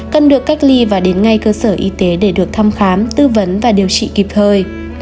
cần được cách ly và đến ngay cơ sở y tế để được thăm khám tư vấn và điều trị kịp thời